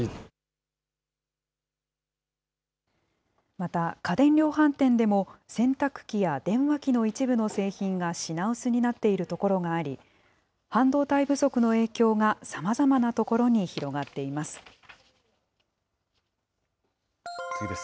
また、家電量販店でも洗濯機や電話機の一部の製品が品薄になっている所があり、半導体不足の影響が、さまざまなところに広がっています。